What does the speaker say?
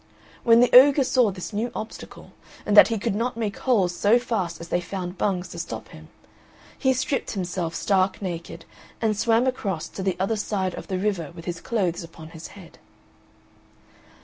When the ogre saw this new obstacle, and that he could not make holes so fast as they found bungs to stop them, he stripped himself stark naked and swam across to the other side of the river with his clothes upon his head.